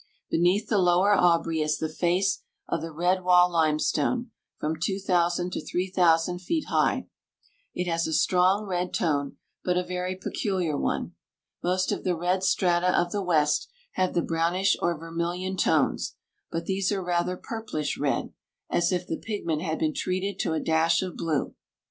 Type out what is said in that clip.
Beneath the Lower Aubrey is the face of the Red Wall limestone, from 2,000 to 3,000 feet high. It has a strong red tone, but a very peculiar one. Most of the red strata of the west have the brownish or vermilion tones, but these are rather purplish red, as if the pigment had been treated to a dash of blue.